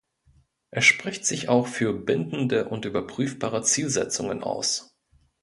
Er spricht sich auch für bindende und überprüfbare Zielsetzungen aus.